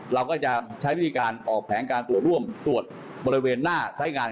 เราก็จะใช้วิธีการออกแผนการตรวจร่วมตรวจบริเวณหน้าสายงาน